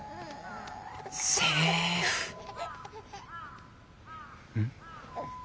セーフん？